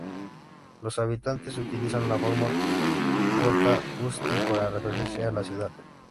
Los habitantes utilizan la forma corta Ústí para referirse a la ciudad.